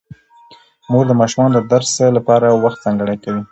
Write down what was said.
مور د ماشومانو د درس لپاره وخت ځانګړی کوي